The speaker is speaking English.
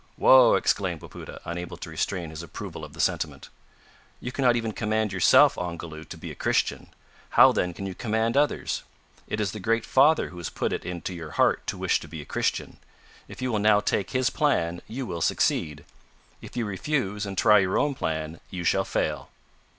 "Woh!" exclaimed Wapoota, unable to restrain his approval of the sentiment. "You cannot even command yourself, Ongoloo, to be a Christian. How, then, can you command others? It is the Great Father who has put it into your heart to wish to be a Christian. If you will now take His plan, you will succeed. If you refuse, and try your own plan, you shall fail."